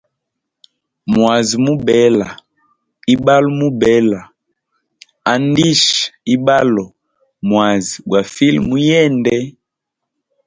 Mwazi mubela, ibalo mubela, andisha ibalo, mwazi gwa file muyende.